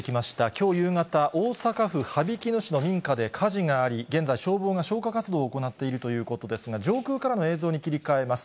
きょう夕方、大阪府羽曳野市の民家で火事があり、現在、消防が消火活動を行っているということですが、上空からの映像に切り替えます。